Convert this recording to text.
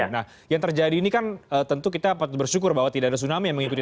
nah yang terjadi ini kan tentu kita bersyukur bahwa tidak ada tsunami yang mengikuti